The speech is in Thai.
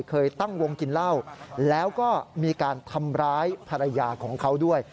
เคยตั้งวงกินเหล้าแล้วก็มีการทำร้ายภรรยาของเขาด้วย